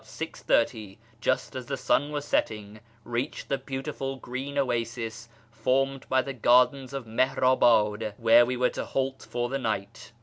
30, just as the sun was setting, reached the beautiful green oasis formed by the gardens of Mihnibad, where we were to halt for tlie night.